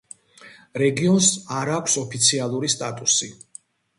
რეგიონს არ აქვს ოფიციალური სტატუსი.